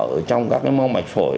ở trong các cái mong bạch phổi